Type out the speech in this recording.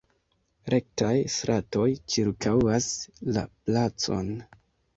Rektaj stratoj ĉirkaŭas la placon.